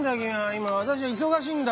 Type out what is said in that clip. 今私は忙しいんだ。